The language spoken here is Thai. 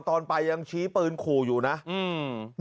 ตอนไปยังชี้ปืนขู่อยู่นะอืม